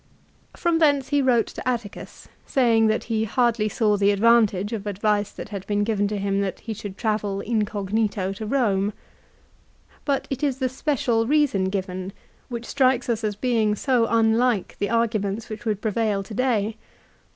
From thence he wrote to Atticus, saying that he hardly saw the advantage of complying with advice which had been given to him that he should travel incognito to Eome. But it is the special reason given which strikes us as being 158 LIFE OF CICERO. so unlike the arguments which would prevail to day.